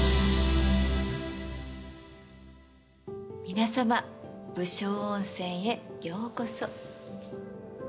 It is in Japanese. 皆様「武将温泉」へようこそ。